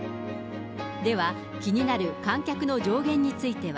では、気になる観客の上限については。